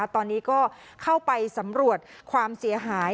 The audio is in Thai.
ตอนนี้ก็เข้าไปสำรวจความเสียหาย